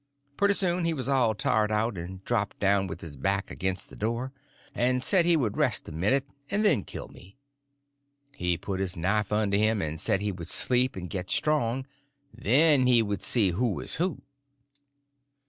Pretty soon he was all tired out, and dropped down with his back against the door, and said he would rest a minute and then kill me. He put his knife under him, and said he would sleep and get strong, and then he would see who was who.